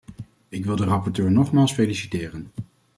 Ik wil de rapporteur nogmaals feliciteren.